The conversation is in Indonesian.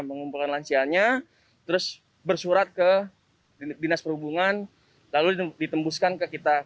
mengumpulkan lansianya terus bersurat ke dinas perhubungan lalu ditembuskan ke kita